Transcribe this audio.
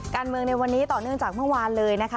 การเมืองในวันนี้ต่อเนื่องจากเมื่อวานเลยนะคะ